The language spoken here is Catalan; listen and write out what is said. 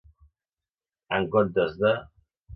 En comptes de.